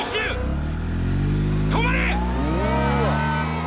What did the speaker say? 止まれ！